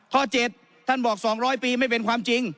๗ท่านบอก๒๐๐ปีไม่เป็นความจริง